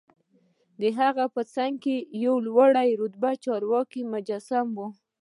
دهغه په څنګ کې د یوه لوړ رتبه چارواکي مجسمه وه.